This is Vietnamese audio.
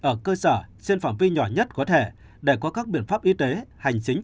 ở cơ sở trên phạm vi nhỏ nhất có thể để có các biện pháp y tế hành chính